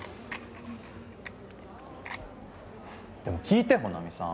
でも聞いて帆奈美さん。